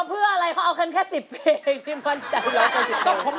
จริง